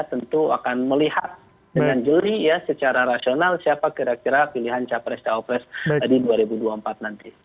tentu akan melihat dengan jeli ya secara rasional siapa kira kira pilihan capres cawapres di dua ribu dua puluh empat nanti